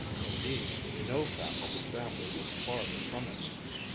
Indeed, no faculty family was farther from it.